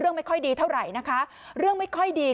ไม่ค่อยดีเท่าไหร่นะคะเรื่องไม่ค่อยดี